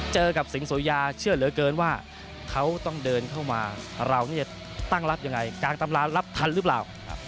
เจอกับสิงโสยาเชื่อเหลือเกินว่าเขาต้องเดินเข้ามาเราจะตั้งรับยังไงกลางตำรารับทันหรือเปล่า